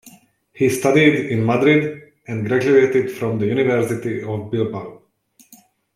He studied in Madrid, and graduated from the University of Bilbao.